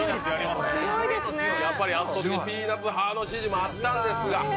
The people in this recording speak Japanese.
やっぱり圧倒的にピーナッツ派の支持もあったんですが。